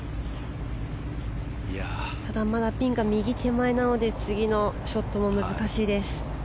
ただ、まだピンが右手前なので次のショットも難しいです。